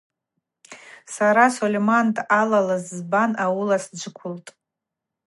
Сара Сольман дъалалыз збан ауыла сджвыквылтӏ.